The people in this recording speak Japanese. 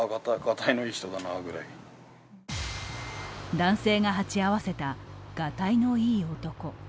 男性が鉢合わせた、がたいの良い男。